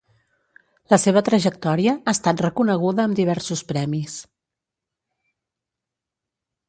La seva trajectòria ha estat reconeguda amb diversos premis.